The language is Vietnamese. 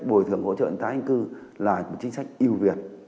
bồi thường hỗ trợ người ta hình cư là chính sách yêu việt